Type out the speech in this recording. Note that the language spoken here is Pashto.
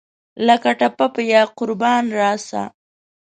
لکه ټپه پۀ یاقربان راسه !